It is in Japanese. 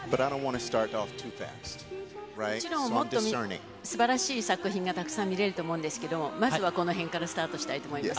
もちろん、もっと素晴らしい作品がたくさん見れると思うんですけど、まずはこのへんからスタートしたいと思います。